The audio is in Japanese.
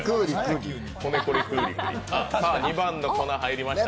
さあ２番の粉、入りました。